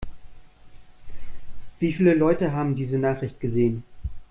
Wie viele Leute haben diese Nachricht gesehen?